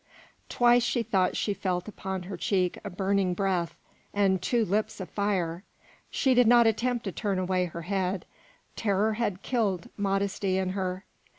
Twice she thought she felt upon her cheek a burning breath and two lips of fire; she did not attempt to turn away her head, terror had killed modesty in her.